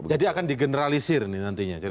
jadi akan di generalisir nih nantinya